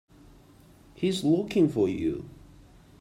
He's looking for you.